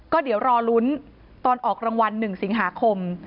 ก็เดี๋ยวรอลุ้นตอนออกรางวัล๑สิงหาคม